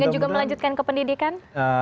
juga melanjutkan ke pendidikan